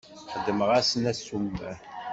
Xedmeɣ-asen assumer.